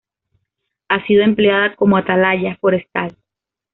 Ha sido empleada como atalaya forestal.